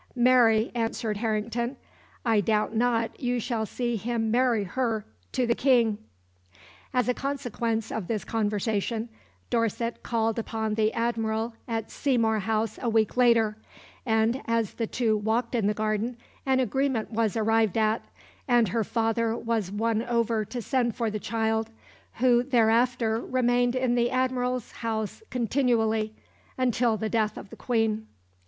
"Marry," answered Harrington, "I doubt not you shall see him marry her to the King." As a consequence of this conversation Dorset called upon the Admiral at Seymour House a week later, and as the two walked in the garden an agreement was arrived at, and her father was won over to send for the child, who thereafter remained in the Admiral's house "continually" until the death of the Queen.